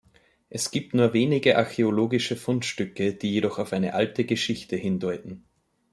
Es gibt nur wenige archäologische Fundstücke, die jedoch auf eine alte Geschichte hindeuten.